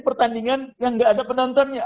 pertandingan yang nggak ada penontonnya